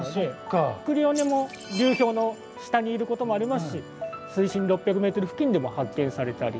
クリオネも流氷の下にいることもありますし水深６００ｍ付近でも発見されたり。